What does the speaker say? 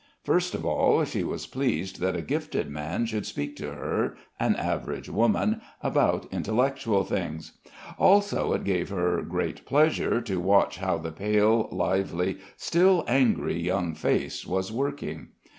First of all, she was pleased that a gifted man should speak to her, an average woman, about intellectual things; also it gave her great pleasure to watch how the pale, lively, still angry, young face was working.